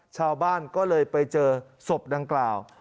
ชาวบ้านก็เลยไปเจอศพดังกล่าว